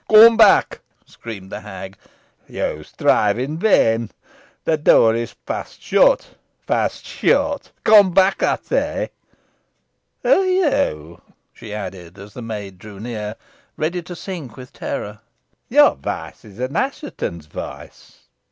"Come back," screamed the hag. "You strive in vain. The door is fast shut fast shut. Come back, I say. Who are you?" she added, as the maid drew near, ready to sink with terror. "Your voice is an Assheton's voice.